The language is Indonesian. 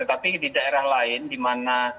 tetapi di daerah lain di mana